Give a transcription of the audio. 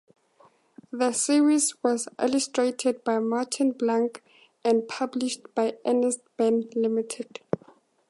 The series was illustrated by Martine Blanc and published by Ernest Benn Limited.